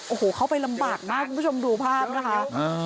ออกไปลำบากมากคุณผู้ชมดูภาพนะคะ